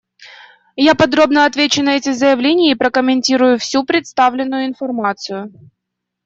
Я подробно отвечу на эти заявления и прокомментирую всю представленную информацию.